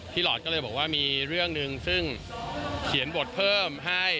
หลอดก็เลยบอกว่ามีเรื่องหนึ่งซึ่งเขียนบทเพิ่มให้